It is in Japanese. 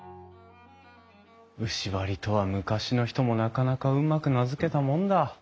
牛梁とは昔の人もなかなかうまく名付けたもんだ。